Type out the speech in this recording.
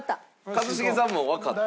一茂さんもわかった？